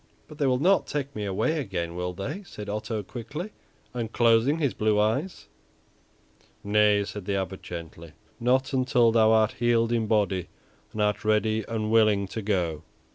"But they will not take me away again, will they?" said Otto quickly, unclosing his blue eyes. "Nay," said the Abbot, gently; "not until thou art healed in body and art ready and willing to go."